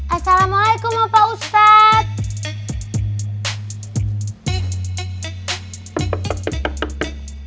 assalamualaikum bapak ustadz